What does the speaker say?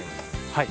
はい。